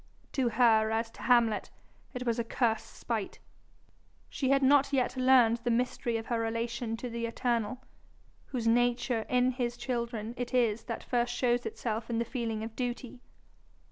To her, as to Hamlet, it was a cursed spite. She had not yet learned the mystery of her relation to the Eternal, whose nature in his children it is that first shows itself in the feeling of duty.